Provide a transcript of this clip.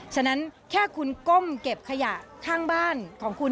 ฉะนั้นแค่คุณก้มเก็บขยะข้างบ้านของคุณ